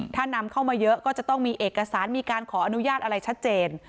ถ้านำเข้ามาเยอะก็จะต้องมีเอกสารมีการขออนุญาตอะไรชัดเจน